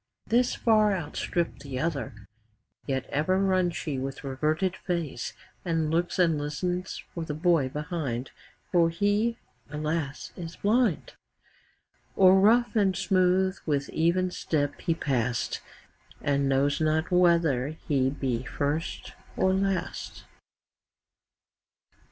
5 This far outstripp'd the other; Yet ever runs she with reverted face, And looks and listens for the boy behind: For he, alas! is blind! O'er rough and smooth with even step he pass'd, 10 And knows not whether he be first or last.